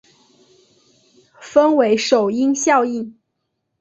分为首因效应。